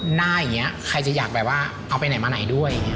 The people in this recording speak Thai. หน้าอย่างเงี้ยใครจะอยากไปว่าเอาไปไหนมาไหนด้วย